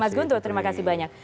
mas guntur terima kasih banyak